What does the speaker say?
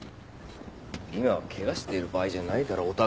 今はケガしている場合じゃないだろ。